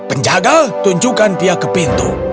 penjaga tunjukkan dia ke pintu